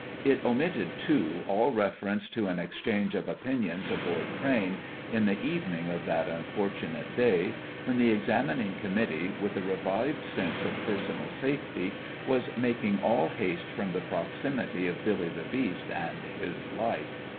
It omit ted, too, all reference to an exchange of opinions aboard train, in the evening of that unfortunate day, when the examining committee, with a re vived sense of personal safety, was making all haste from the proximity of Billy the Beast and his like.